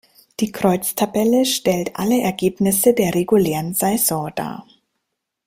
Die Kreuztabelle stellt alle Ergebnisse der regulären Saison dar.